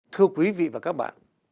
thưa quý vị và các bạn